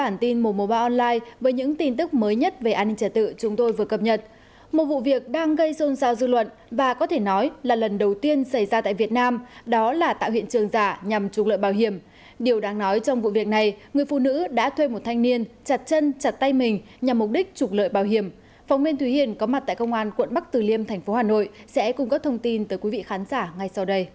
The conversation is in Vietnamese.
nhằm mục đích trục lợi bảo hiểm phóng viên thùy hiền có mặt tại công an quận bắc từ liêm thành phố hà nội sẽ cung cấp thông tin tới quý vị khán giả ngay sau đây